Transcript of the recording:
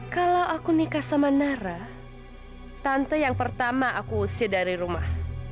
kalau aku nikah sama nara tante yang pertama aku isi dari rumah